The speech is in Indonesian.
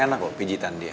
enak kok pijitan dia